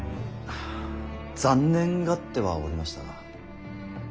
残念がってはおりましたが。